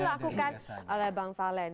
dilakukan oleh bang valen